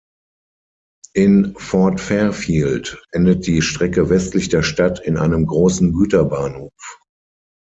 In Fort Fairfield endet die Strecke westlich der Stadt in einem großen Güterbahnhof.